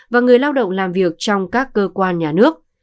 và người lao động làm việc trong các cơ quan nhà nước